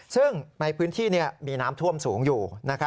ซึ่งในพื้นที่มีน้ำท่วมสูงอยู่